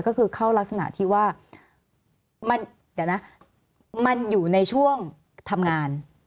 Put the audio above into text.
ก็คือเข้ารักษณะที่ว่ามันอยู่ในช่วงทำงาน